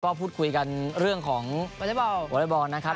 ก็พูดคุยกันเรื่องของวอเล็กบอลนะครับ